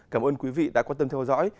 cảm ơn quý vị đã quan tâm theo dõi